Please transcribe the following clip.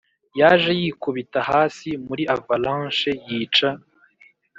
yaje yikubita hasi muri avalanche yica.